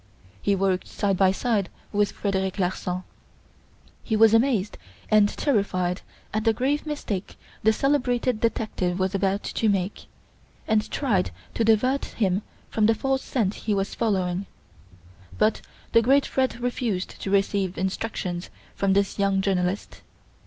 He worked side by side with Frederic Larsan. He was amazed and terrified at the grave mistake the celebrated detective was about to make, and tried to divert him from the false scent he was following; but the great Fred refused to receive instructions from this young journalist.